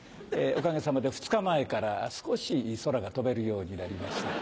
おかげさまで２日前から少し空が飛べるようになりました。